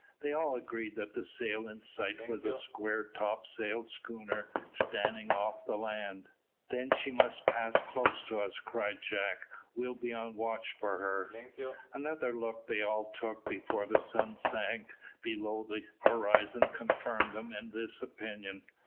They all agreed that the sail in sight was a square topsail schooner standing off the land. "Then she must pass close to us," cried Jack. "We'll be on the watch for her." Another look they all took before the sun sank below the horizon confirmed them in this opinion.